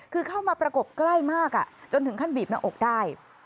คือเข้ามาประกบใกล้มากจนถึงขั้นบีบหน้าอกได้